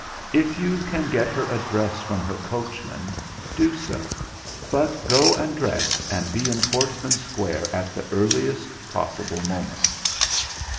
If you can get her address from her coachman, do so. But go and dress and be in Portman Square at the earliest possible moment.'